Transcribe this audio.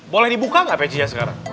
boleh dibuka nggak pecinya sekarang